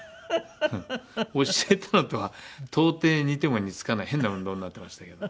教えたのとは到底似ても似つかない変な運動になってましたけど。